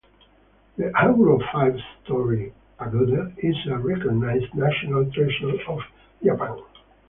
The Haguro Five-story Pagoda is a recognised national treasure of Japan.